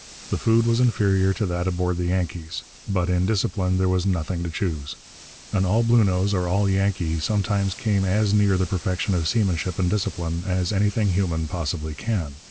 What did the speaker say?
The food was inferior to that aboard the Yankees. But in discipline there was nothing to choose. An all Bluenose or all Yankee sometimes came as near the perfection of seamanship and discipline as anything human possibly can.